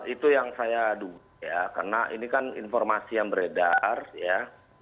itu yang saya adu ya karena ini kan informasi yang beredar ya